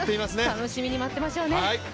楽しみに待ってましょうね。